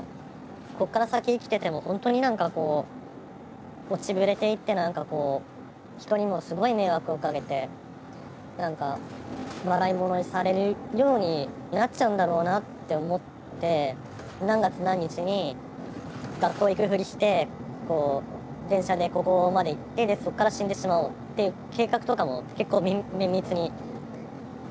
ここから先生きてても本当に何かこう落ちぶれていって何かこう人にもすごい迷惑をかけて何か笑い者にされるようになっちゃうんだろうなって思って何月何日に学校行くふりして電車でここまで行ってそこから死んでしまおうっていう計画とかも結構綿密に立てたりとか。